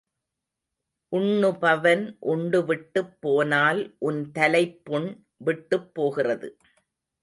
உண்ணுபவன் உண்டு விட்டுப் போனால் உன் தலைப்புண் விட்டுப்போகிறது.